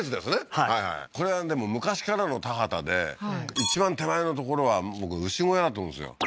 はいはいこれはでも昔からの田畑で一番手前の所は僕牛小屋だと思うんですよ